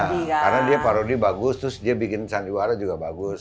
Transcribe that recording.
karena dia parodi bagus terus dia bikin sandiwara juga bagus